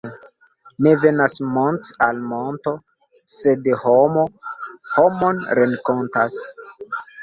Ne venas mont' al monto, sed homo homon renkontas.